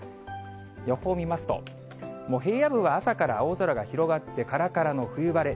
予報を見ますと、もう平野部は朝から青空が広がって、からからの冬晴れ。